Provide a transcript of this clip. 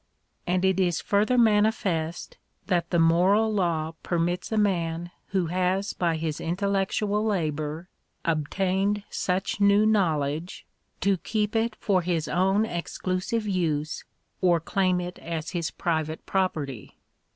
And it is further manifest, that the moral law permits a man who has by his intellectual labour obtained such new knowledge, to keep it for his own exclusive use, or claim it as his private property.